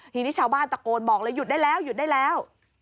ทีนี้ชาวบ้านตะโกนบอกเลยหยุดได้แล้วหยุดได้แล้ว